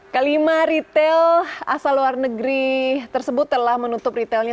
kelima retail asal luar negeri tersebut telah menutup retailnya